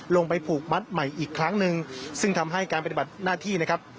ลงไปผูกมัดใหม่อีกครั้งหนึ่งซึ่งทำให้การปฏิบัติหน้าที่นะครับ